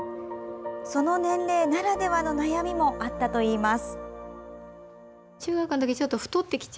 その年齢ならではの悩みもあったといいます。